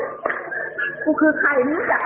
ตัวไปคุณคิดเป็นหูดกู